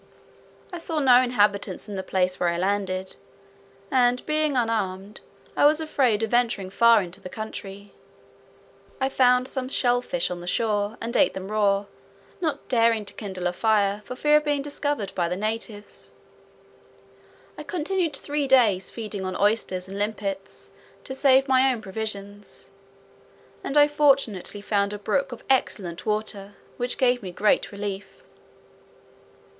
I saw no inhabitants in the place where I landed, and being unarmed, I was afraid of venturing far into the country. I found some shellfish on the shore, and ate them raw, not daring to kindle a fire, for fear of being discovered by the natives. I continued three days feeding on oysters and limpets, to save my own provisions; and I fortunately found a brook of excellent water, which gave me great relief.